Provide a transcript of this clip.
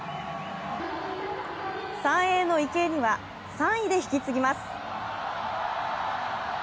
３泳・池江には、３位で引き継ぎます。